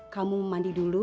kamu mandi dulu